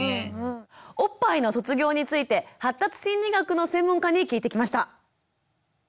おっぱいの卒業について発達心理学の専門家に聞いてきました。